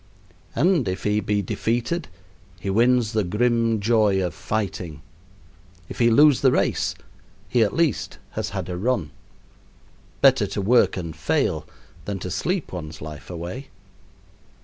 And if he be defeated he wins the grim joy of fighting; if he lose the race, he, at least, has had a run. Better to work and fail than to sleep one's life away.